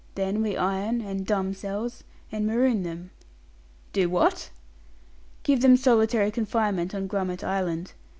Then we iron, and dumb cells, and maroon them." "Do what?" "Give them solitary confinement on Grummet Island.